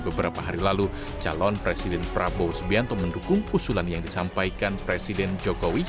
beberapa hari lalu calon presiden prabowo subianto mendukung usulan yang disampaikan presiden jokowi